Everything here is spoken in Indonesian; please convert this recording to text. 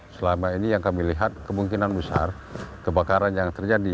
selama ini yang kami lihat kemungkinan besar kebakaran yang terjadi